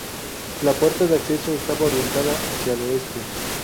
La puerta de acceso estaba orientada hacia el oeste.